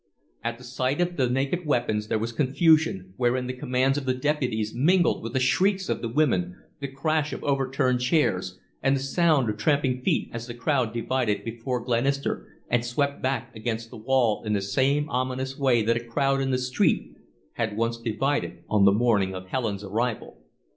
At sight of the naked weapons there was confusion, wherein the commands of the deputies mingled with the shrieks of the women, the crash of overturned chairs, and the sound of tramping feet, as the crowd divided before Glenister and swept back against the wall in the same ominous way that a crowd in the street had once divided on the morning of Helen's arrival.